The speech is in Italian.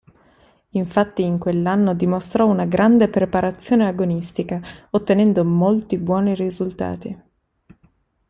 Infatti in quell'anno dimostrò una grande preparazione agonistica, ottenendo molti buoni risultati.